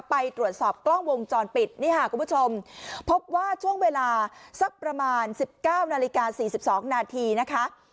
ไปตรวจสอบกล้องวงจรปิดนี่ค่ะคุณผู้ชมพบว่าช่วงเวลาสักประมาณ๑๙นาฬิกา๔๒นาทีนะคะ